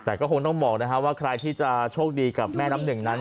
แต่ก็คงต้องบอกนะครับว่าใครที่จะโชคดีกับแม่น้ำหนึ่งนั้น